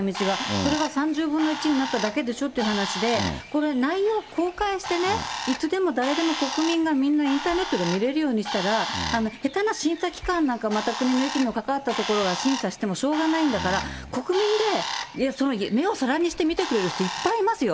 それが３０分の１になっただけでしょって話で、これ、内容を公開してね、いつでも誰でも国民がみんなインターネットで見れるようにしたら、下手な審査機関なんかの、また国の息のかかった所が審査してもしょうがないんだから、国民で、いや、目を皿にして見てくれる人、いっぱいいますよ。